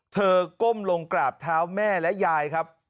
ก้มลงกราบเท้าแม่และยายครับ